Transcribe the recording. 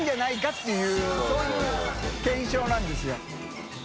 っていうそういう検証なんですよ。